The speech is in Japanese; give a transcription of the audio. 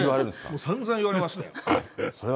さんざん言われましたよ。